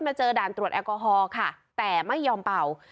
เจอด่านตรวจแอลกอฮอล์ค่ะแต่ไม่ยอมเป่า